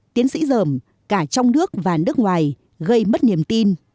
tiến sĩ dởm cả trong nước và nước ngoài gây mất niềm tin